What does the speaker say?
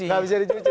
tidak bisa dicuci